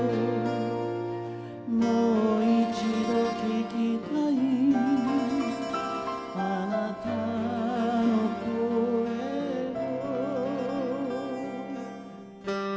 「もう一度聞きたいあなたの声を」